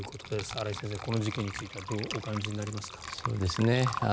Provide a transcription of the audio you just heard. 新井先生、この事件についてはどうお感じになりますか？